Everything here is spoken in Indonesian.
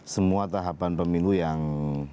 semua tahapan pemilu yang